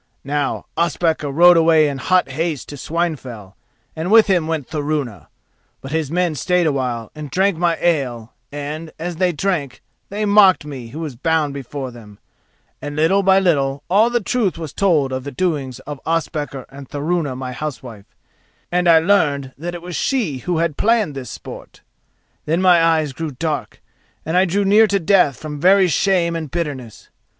Now Ospakar rode in hot haste away to Swinefell and with him went Thorunna, but his men stayed a while and drank my ale, and, as they drank, they mocked me who was bound before them, and little by little all the truth was told of the doings of Ospakar and Thorunna my housewife, and I learned that it was she who had planned this sport. Then my eyes grew dark and I drew near to death from very shame and bitterness.